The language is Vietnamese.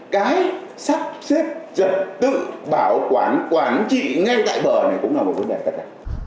cái sắp xếp trật tự bảo quản quản trị ngay tại bờ này cũng là một vấn đề tất cả